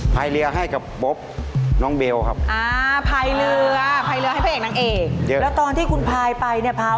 พายเรือให้กับบ๊อบน้องเบลครับ